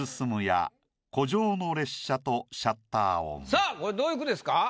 さぁこれどういう句ですか？